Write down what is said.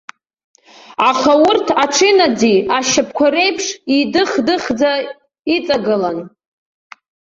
Аха урҭ аҽы-нади ашьапқәа реиԥш идых-дыхӡа иҵагылан.